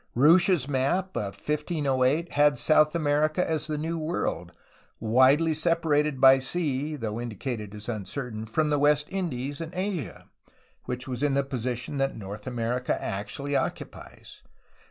Ruysch's map of 1508 had South America as the New World, widely separated by sea (though indicated as uncertain) from the West Indies and Asia, which was in the position that North America actually occupies.